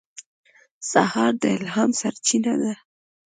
سهار د الهام سرچینه ده.